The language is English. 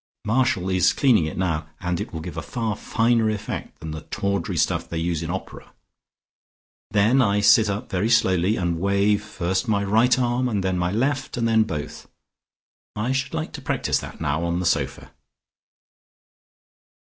Marshall is cleaning it now, and it will give a far finer effect than the tawdry stuff they use in opera. Then I sit up very slowly, and wave first my right arm and then my left, and then both. I should like to practise that now on the sofa!"